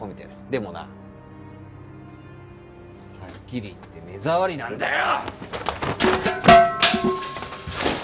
でもなはっきり言って目障りなんだよ！